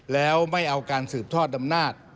แล้วไม่เอาการสืบทอดอำนาจ